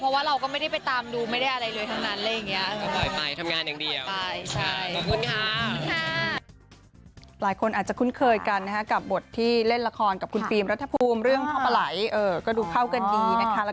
เพราะว่าเราก็ไม่ได้ไปตามดูไม่ได้อะไรเลยทั้งนั้น